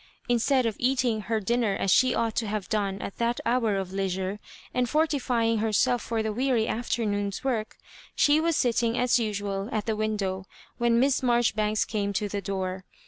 Instead of eatmg her ^itiner as she ought to have done at that hour of leisure, and fortifying herself for the weary after noon*s work, she was sitting as usual at the win dow when Miss Marjoribanks came to the door.